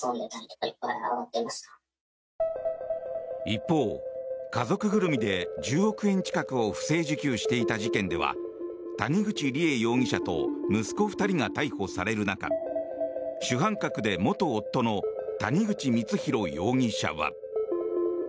一方、家族ぐるみで１０億円近くを不正受給していた事件では谷口梨恵容疑者と息子２人が逮捕される中主犯格で元夫の谷口光弘容疑者は。